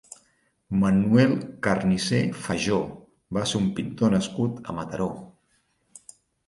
Manuel Carnicer Fajó va ser un pintor nascut a Mataró.